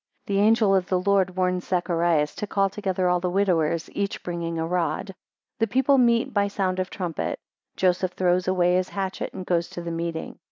6 The angel of the Lord warns Zacharias to call together all the widowers, each bringing a rod. 7 The people meet by sound of trumpet. 8 Joseph throws away his hatchet, and goes to the meeting.